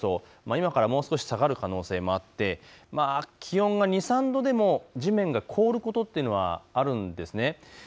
今からもう少し下がる可能性もあって気温が２、３度でも地面が凍ることというのはあるんです。